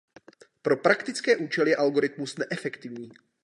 Pro praktické účely je algoritmus neefektivní.